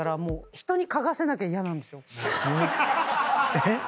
えっ？